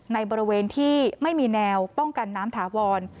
ในบริเวณที่ไม่มีแนวป้องกันน้ำถาวร